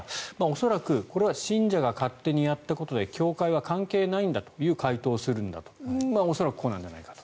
恐らく信者が勝手にやったことで教会は関係ないんだという回答をするんだと恐らくこうなんじゃないかと。